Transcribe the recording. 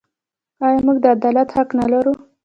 آیا موږ د عدالت حق نلرو؟